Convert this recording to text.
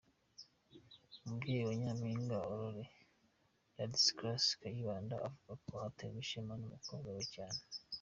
Umubyeyi wa Nyampinga Aurore, Ladislas Kayibanda, avuga ko aterwa ishema n’umukobwa we cyane.